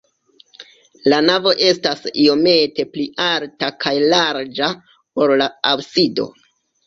La navo estas iomete pli alta kaj larĝa, ol la absido.